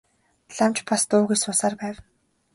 Лам ч бас дуугүй суусаар байв.